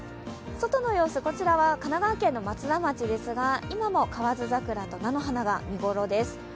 外の様子、こちらは神奈川県の松田町ですが今も河津桜と菜の花が見ごろです。